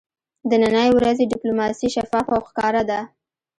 د ننی ورځې ډیپلوماسي شفافه او ښکاره ده